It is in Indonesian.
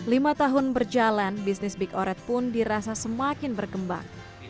lima tahun berjalan bisnis big oret pun dirasa semakin berkembang